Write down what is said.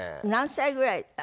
何歳ぐらい？